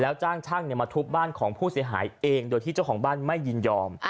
จ้างช่างมาทุบบ้านของผู้เสียหายเองโดยที่เจ้าของบ้านไม่ยินยอม